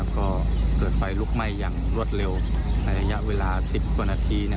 ก็เกิดไฟลุกไหม้อย่างรวดเร็วในระยะเวลา๑๐กว่านาที